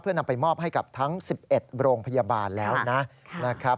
นำไปมอบให้กับทั้ง๑๑โรงพยาบาลแล้วนะครับ